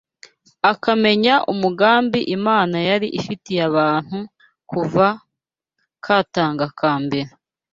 akamenya umugambi Imana yari ifitiye abantu kuva katanga ka mbere